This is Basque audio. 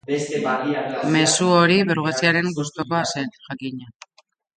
Mezu hori burgesiaren gustukoa zen, jakina.